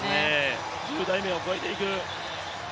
１０台目を越えていく。